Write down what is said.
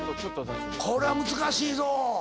これは難しいぞ。